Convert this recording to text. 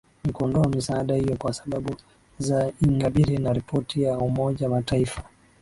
ni kuondoa misaada hiyo kwa sababu za ingabire na ripoti ya umoja mataifa